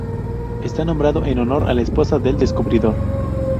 Está nombrado en honor de la esposa del descubridor.